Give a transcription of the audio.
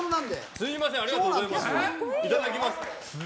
すみませんありがとうございます。